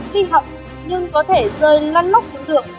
khi học nhưng có thể rơi lăn lóc đường